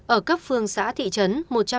ở cấp phương xã thị trấn một trăm sáu mươi một